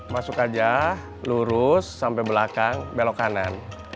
masuk aja lurus sampai belakang belok kanan